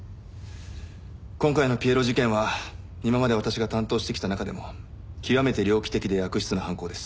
今回のピエロ事件は今まで私が担当してきた中でも極めて猟奇的で悪質な犯行です。